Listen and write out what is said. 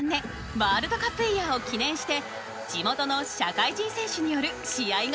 ワールドカップイヤーを記念して地元の社会人選手による試合が行われたんです。